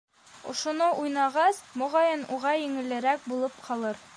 - Ошоно уйнағас, моғайын, уға еңелерәк булып ҡалыр...